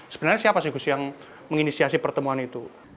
sebenarnya siapa sih gus yang menginisiasi pertemuan itu